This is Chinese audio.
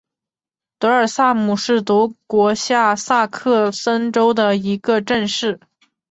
德尔苏姆是德国下萨克森州的一个市镇。